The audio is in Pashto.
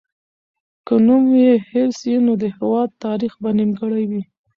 که نوم یې هېر سي، نو د هېواد تاریخ به نیمګړی وي.